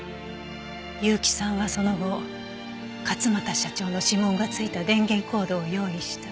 結城さんはその後勝又社長の指紋がついた電源コードを用意した。